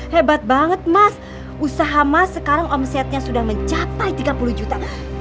hebat banget mas usaha mas sekarang omsetnya sudah mencapai tiga puluh juta